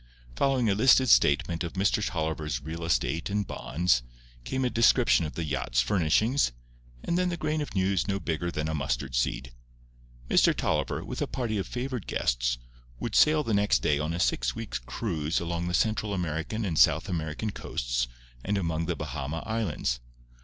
Following a listed statement of Mr. Tolliver's real estate and bonds, came a description of the yacht's furnishings, and then the grain of news no bigger than a mustard seed. Mr. Tolliver, with a party of favoured guests, would sail the next day on a six weeks' cruise along the Central American and South American coasts and among the Bahama Islands.